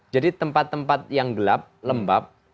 jadi tempat tempat yang gelap lembab